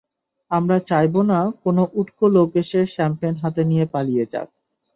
আমরা চাই না কোনও উটকো লোক এসে শ্যাম্পেন হাতে নিয়ে পালিয়ে যাক!